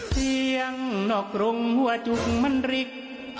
เสียงนกรงหัวจุกมันริก